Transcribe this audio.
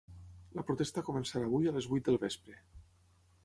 La protesta començarà avui a les vuit del vespre.